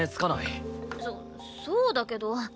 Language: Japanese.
そそうだけど。